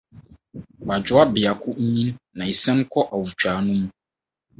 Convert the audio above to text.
Badwoa biako nyin na esian kɔ awotwaa no mu.